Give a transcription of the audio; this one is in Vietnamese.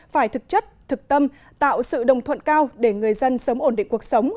phải thực chất thực tâm tạo sự đồng thuận cao để người dân sớm ổn định cuộc sống